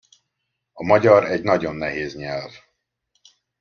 A magyar egy nagyon nehéz nyelv.